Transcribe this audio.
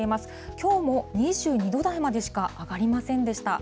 きょうも２２度台までしか上がりませんでした。